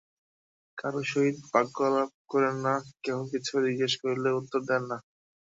কাহারও সহিত বাক্যালাপ করেন না, কেহ কিছু জিজ্ঞাসা করিলেও উত্তর দেন না।